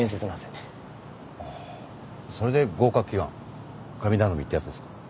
ああそれで合格祈願神頼みってやつですか。